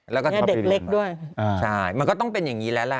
แล้วก็พาไปเรียนไปใช่มันก็ต้องเป็นอย่างนี้แล้วล่ะ